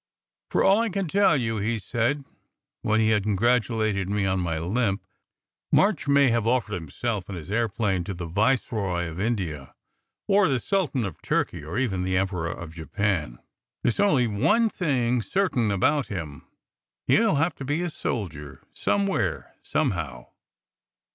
"For all I can tell," he said, when he had congratulated me on my limp, "March may have offered himself and his aeroplane to the Viceroy of India or the Sultan of Turkey or even the Emperor of Japan. There s only one thing certain about him: he ll have to be a soldier somewhere somehow!"